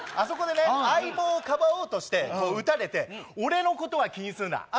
そこでね相棒をかばおうとして撃たれて「俺のことは気にするな」